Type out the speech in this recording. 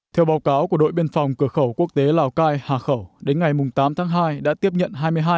theo báo cáo của đội biên phòng cửa khẩu quốc tế lào cai hà khẩu đến ngày tám tháng hai đã tiếp nhận